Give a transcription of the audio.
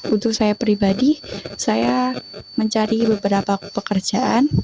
untuk saya pribadi saya mencari beberapa pekerjaan